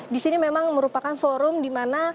di sini memang merupakan forum digital